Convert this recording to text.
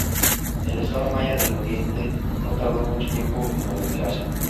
El estado maya del oriente no tardó mucho tiempo en organizarse.